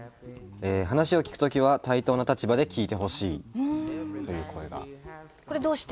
「話を聞くとは対等な立場で聞いてほしい」。という声が。